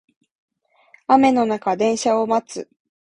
雨の中電車を待つ